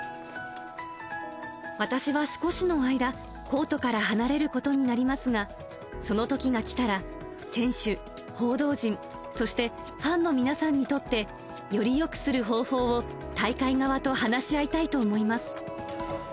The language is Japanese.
私は少しの間、コートから離れることになりますが、そのときがきたら選手、報道陣、そしてファンの皆さんにとって、よりよくする方法を大会側と話し合いたいと思います。